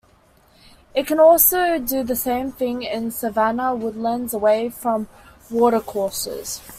It can also do the same thing in savanna woodlands away from watercourses.